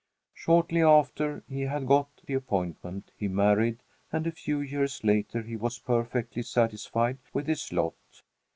Shortly after he had got the appointment, he married, and a few years later he was perfectly satisfied with his lot.